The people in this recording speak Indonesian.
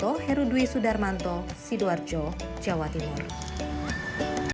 asal gisi dan keamanannya benar benar terjaga